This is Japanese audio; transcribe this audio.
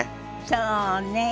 そうね。